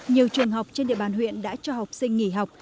nhiều trường học trên địa bàn huyện đã cho học sinh nghỉ học